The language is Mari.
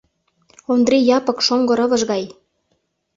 Ондри Япык шоҥго рывыж гай.